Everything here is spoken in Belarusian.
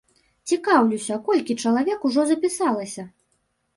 Цікаўлюся, колькі чалавек ужо запісалася?